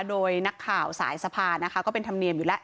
โดยนักข่าวสายสภานะคะก็เป็นธรรมเนียมอยู่แล้ว